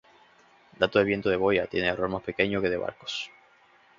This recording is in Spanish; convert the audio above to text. Dato de viento de boyas tiene error más pequeño que que de barcos.